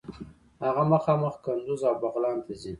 هغه مخامخ قندوز او بغلان ته ځي.